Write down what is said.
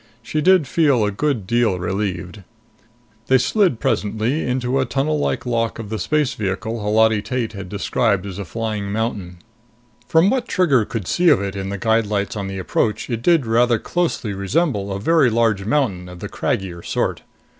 She did feel a good deal relieved. They slid presently into a tunnel like lock of the space vehicle Holati Tate had described as a flying mountain. From what Trigger could see of it in the guide lights on the approach, it did rather closely resemble a very large mountain of the craggier sort.